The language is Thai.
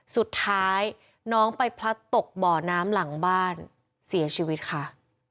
สุดท้ายน้องไปพลัดตกบ่อน้ำหลังบ้านเสียชีวิตค่ะ